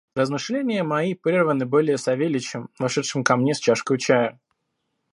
Размышления мои прерваны были Савельичем, вошедшим ко мне с чашкою чая.